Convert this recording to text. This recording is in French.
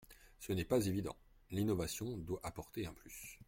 Ce n’est pas évident : l’innovation doit apporter un plus.